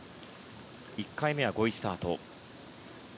１回目は５位スタート。